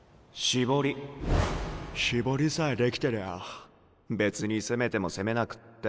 絞りさえできてりゃ別に攻めても攻めなくってもお好きに。